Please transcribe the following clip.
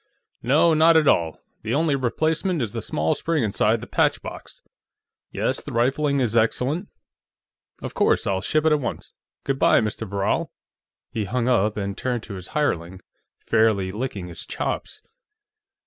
No, not at all; the only replacement is the small spring inside the patchbox.... Yes, the rifling is excellent.... Of course; I'll ship it at once.... Good by, Mr. Verral." He hung up and turned to his hireling, fairly licking his chops.